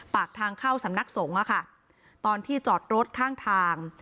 ปากทางเข้าสำนักศงศ์ไว้เถอะค่ะตอนที่จอดรถทาง